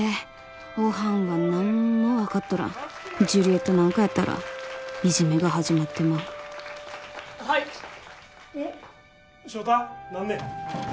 おはんは何も分かっとらんジュリエットなんかやったらいじめが始まってまうはい・おっ翔太何ね？